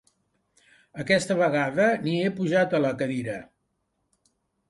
Aquesta vegada ni he pujat a la cadira.